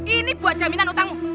ini buat jaminan utangmu